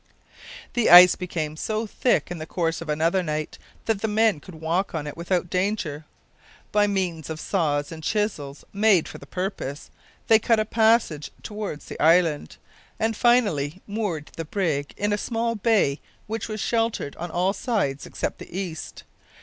This ice became so thick in the course of another night that the men could walk on it without danger. By means of saws and chisels made for the purpose, they cut a passage toward the island, and finally moored the brig in a small bay which was sheltered on all sides except the east.